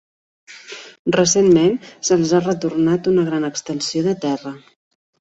Recentment, se'ls ha retornat una gran extensió de terra.